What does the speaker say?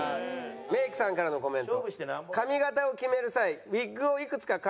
メイクさんからのコメント。